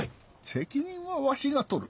責任はわしが取る。